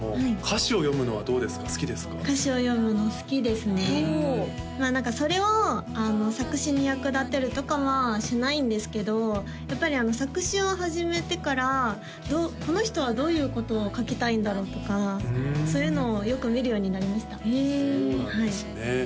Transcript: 歌詞を読むの好きですねおおそれを作詞に役立てるとかはしないんですけどやっぱり作詞を始めてからこの人はどういうことを書きたいんだろうとかそういうのをよく見るようになりましたそうなんですね